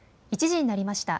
１時になりました。